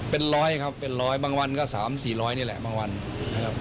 เป็นร้อยครับเป็นร้อยบางวันก็๓๔๐๐นี่แหละบางวันนะครับ